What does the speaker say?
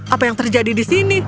apa yang terjadi di sini